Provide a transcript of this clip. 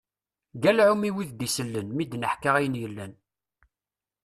Galɛum i wid d-isellen, mi d-neḥka ayen yellan.